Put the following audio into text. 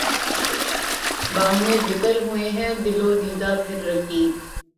باہم دِکر ہوئے ہیں دل و دیده پهر رقیب